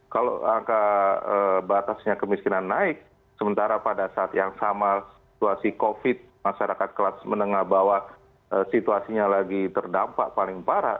kalau angka batasnya kemiskinan naik sementara pada saat yang sama situasi covid masyarakat kelas menengah bawah situasinya lagi terdampak paling parah